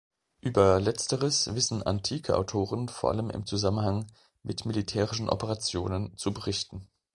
Über letzteres wissen antike Autoren vor allem im Zusammenhang mit militärischen Operationen zu berichten.